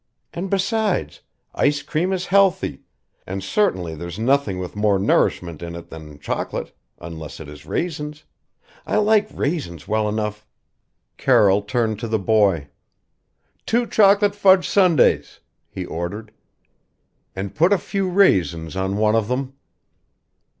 And besides, ice cream is healthy, and certainly there's nothing with more nourishment in it than chocolate unless it is raisins. I like raisins well enough " Carroll turned to the boy. "Two chocolate fudge sundaes," he ordered; "and put a few raisins on one of them."